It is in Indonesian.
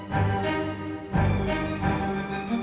saya siapkan yang lain sekarang